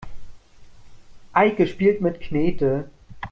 Eike spielt mit Knete.